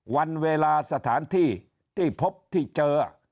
วันเวลาสถานที่ที่พบที่เจอ